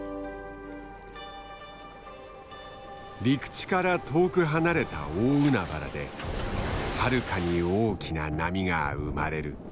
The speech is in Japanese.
陸地から遠く離れた大海原ではるかに大きな波が生まれる。